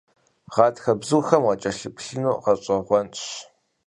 Гъатхэм бзухэм уакӀэлъыплъыну гъэщӀэгъуэнщ.